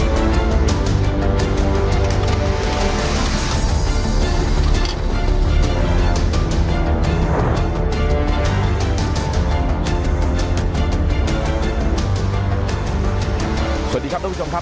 สวัสดีครับทุกผู้ชมครับ